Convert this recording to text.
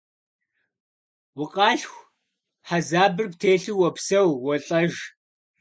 Укъалъху, хьэзабыр птелъу уопсэу, уолӏэж.